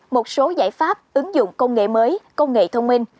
một số giải pháp ứng dụng công nghệ mới công nghệ thông minh